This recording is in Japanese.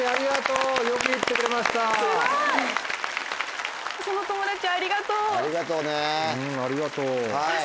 うんありがとう。